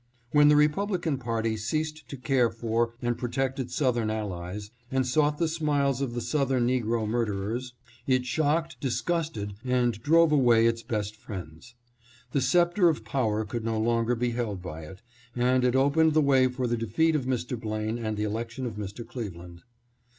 When the Republican party ceased to care for and protect its Southern allies, and sought the smiles of the Southern negro murderers, it shocked, REASON FOR THE DEFEAT OF BLAINE. 651 disgusted, and drove away its best friends. The scepter of power could no longer be held by it, and it opened the way for the defeat of Mr. Blaine and the election of Mr. Cleveland.